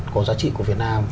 có giá trị của việt nam